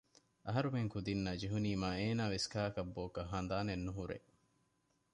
އަހަރުމެން ކުދިންނާ ޖެހުނީމާ އޭނާވެސް ކާކަށް ބޯކަށް ހަނދާނެއް ނުހުރޭ